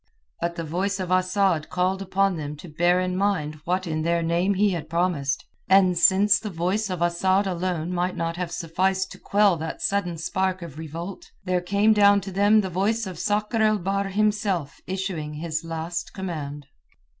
But the voice of Asad called upon them to bear in mind what in their name he had promised, and since the voice of Asad alone might not have sufficed to quell that sudden spark of revolt, there came down to them the voice of Sakr el Bahr himself issuing his last command.